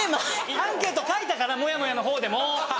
アンケート書いたから「モヤモヤ」のほうでも。